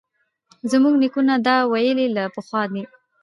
زموږ نیکونو دا ویلي له پخوا دي